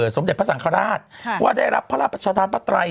สมเด็จพระสังฆราชว่าได้รับพระราชทานพระไตร